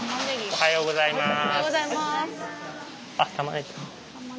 おはようございます。